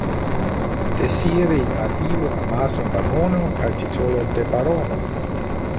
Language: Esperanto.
Deziri al iu amason da mono kaj titolon de barono.